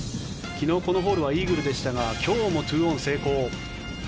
昨日、このホールはイーグルでしたが今日も２オン成功。